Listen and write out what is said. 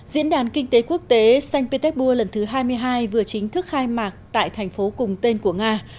diễn đàn kinh tế quốc tế saint petersburg lần thứ hai mươi hai vừa chính thức khai mạc tại thành phố cùng tên của nga